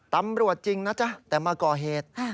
ตำรวจจริงนะจ๊ะแต่มาก่อเหตุ